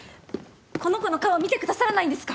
この子の顔を見てくださらないんですか？